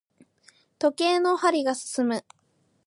時計の針が進む。